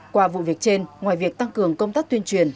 qua vụ việc trên ngoài việc tăng cường công tác tuyên truyền